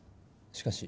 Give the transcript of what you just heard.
しかし